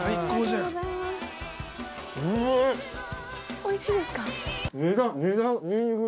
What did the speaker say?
・おいしいですか？